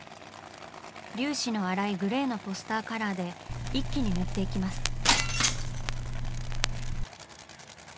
粒子の粗いグレーのポスターカラーで一気に塗っていきます。